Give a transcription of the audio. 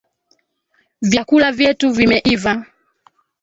Vyakula vyetu vimeiva